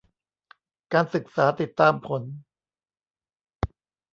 การศึกษาติดตามผล